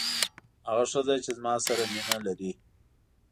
هغه ښځه چې زما سره مینه لري.